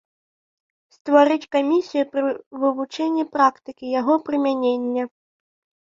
Стварыць камісію па вывучэнні практыкі яго прымянення.